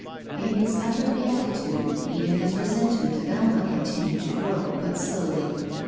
In his utter beatitude, even his resentment of Alma continued to grow but slowly.